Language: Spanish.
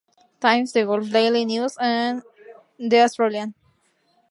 Times, The Gulf Daily News y The Australian.